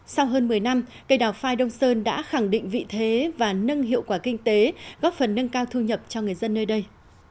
sau hơn một mươi năm cây đào phai đông sơn đã khẳng định vị thế và nâng hiệu quả kinh tế góp phần nâng cao thu nhập cho người dân nơi đây